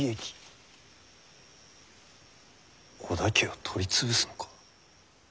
織田家を取り潰すのか？